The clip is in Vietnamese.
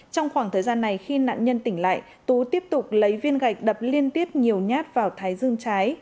trong khoảng thời gian này khi nạn nhân tỉnh lại tú tiếp tục lấy viên gạch đập liên tiếp nhiều nhát vào thái dương trái